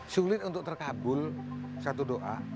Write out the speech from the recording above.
sulit untuk terkabul satu doa